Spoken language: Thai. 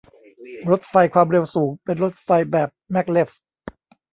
รถไฟความเร็วสูงเป็นรถไฟแบบแม็กเลฟ